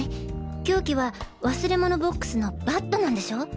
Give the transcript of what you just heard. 凶器は忘れ物ボックスのバットなんでしょ？